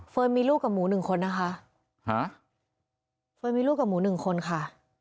เฟิร์นมีลูกกับหมูหนึ่งคนนะคะ